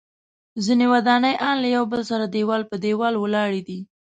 ځینې ودانۍ ان له یو بل سره دیوال په دیوال ولاړې دي.